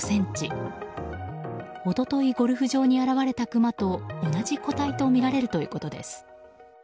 一昨日、ゴルフ場に現れたクマと同じ個体とみられるということです。